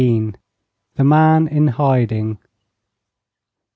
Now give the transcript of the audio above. THE MAN IN HIDING.